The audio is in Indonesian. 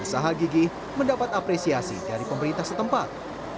usaha gigi mendapat apresiasi dari pemerintah setempat